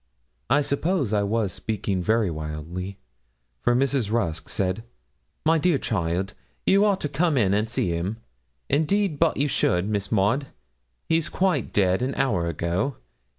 I suppose I was speaking very wildly, for Mrs. Rusk said 'My dear child, you ought to come in and see him; indeed but you should, Miss Maud. He's quite dead an hour ago.